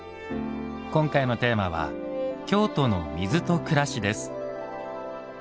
今回のテーマは「京都の水と暮らし」です。